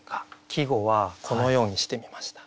季語はこのようにしてみました。